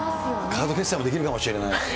カード決済もできるかもしれない。